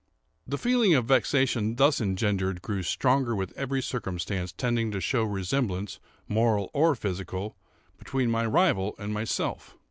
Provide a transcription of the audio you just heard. The feeling of vexation thus engendered grew stronger with every circumstance tending to show resemblance, moral or physical, between my rival and myself.